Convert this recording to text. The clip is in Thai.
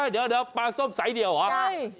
เดี๋ยวปลาส้มสายเดี่ยวเหรอ